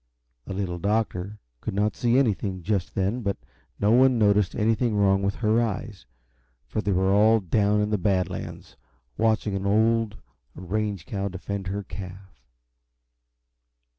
The Little Doctor could not see anything, just then, but no one noticed anything wrong with her eyes, for they were all down in the Bad Lands, watching an old range cow defend her calf.